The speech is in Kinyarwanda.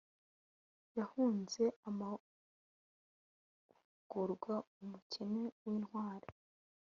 Yahunze amahugurwa Umukene wintwari